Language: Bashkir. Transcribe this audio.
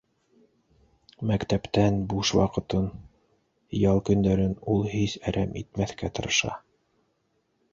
Мәктәптән буш ваҡытын, ял көндәрен ул һис әрәм итмәҫкә тырыша.